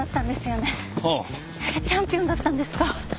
チャンピオンだったんですか？